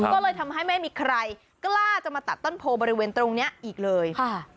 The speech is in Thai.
ก็เลยทำให้ไม่มีใครกล้าจะมาตัดต้นโพบริเวณตรงนี้อีกเลยค่ะ